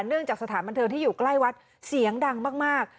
จากสถานบันเทิงที่อยู่ใกล้วัดเสียงดังมาก